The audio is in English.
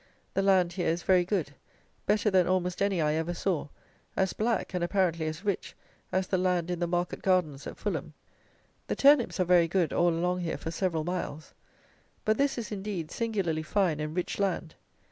The land here is very good; better than almost any I ever saw; as black, and, apparently, as rich, as the land in the market gardens at Fulham. The turnips are very good all along here for several miles; but this is, indeed, singularly fine and rich land.